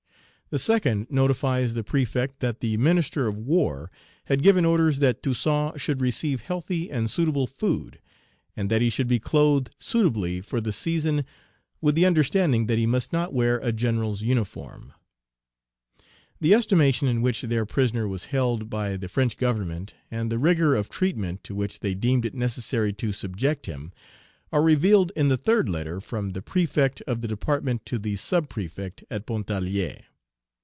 The second notifies the Prefect that the Minister of War had given orders that Toussaint should receive healthy and suitable food, and that he should be clothed suitably for the season, with the understanding that he must not wear a general's uniform. The estimation in which their prisoner was held by the French Government, and the rigor of treatment to which they deemed it necessary to subject him, are revealed in the third letter from the Prefect of the Department to the Sub Prefect at Pontarlier.